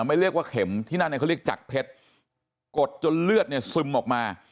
ไม่เรียกว่าเข็มที่นั่นเนี่ยเขาเรียกจักรเพชรกดจนเลือดเนี่ยซึมออกมา